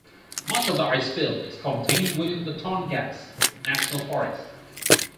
Much of the icefield is contained within the Tongass National Forest.